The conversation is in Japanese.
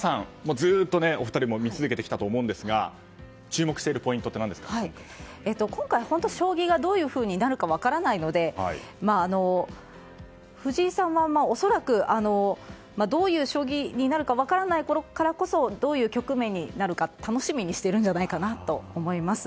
ずっとお二人を見続けてきたと思いますが今回、将棋がどういうふうになるか分からないので藤井さんは恐らくどういう将棋になるか分からないからこそどういう局面になるのか楽しみにしているんじゃないかと思います。